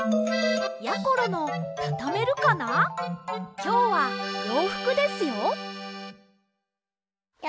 きょうはようふくですよ。